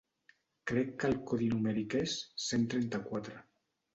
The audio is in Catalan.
Crec que el codi numèric és cent trenta-quatre.